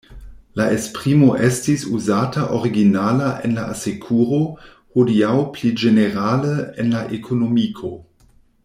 La esprimo estis uzata originala en la asekuro, hodiaŭ pli ĝenerale en la ekonomiko.